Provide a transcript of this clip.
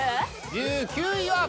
１９位は。